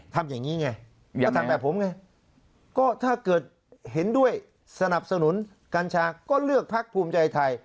ทำแบบผมไงก็ถ้าเกิดเห็นด้วยสนับสนุนกัญชาก็เลือกพักภูมิใจไทย